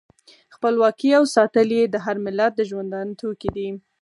خپلواکي او ساتل یې د هر ملت د ژوندانه توکی دی.